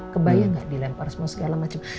kebayang gak dilempar semua segala macam